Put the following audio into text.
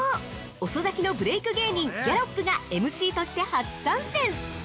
遅咲きのブレイク芸人ギャロップがＭＣとして初参戦。